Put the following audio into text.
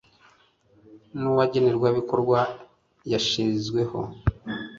Nuwagenerwabikorwa yashizweho